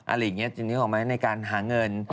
อะไรอย่างนี้จึงนึกออกไหมในการหาเงิน